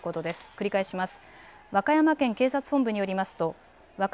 繰り返します。